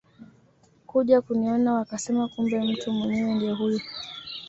kuja kuniona wakasema kumbe mtu mwenyewe ndio huyu